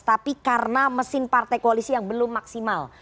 tapi karena mesin partai koalisi yang belum maksimal